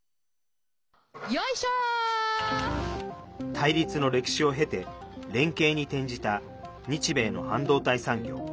対立の歴史を経て連携に転じた日米の半導体産業。